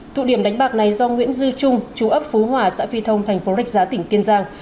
thụ điểm đánh bạc này do nguyễn dư trung chú ấp phú hòa xã phi thông thành phố rạch giá tỉnh kiên giang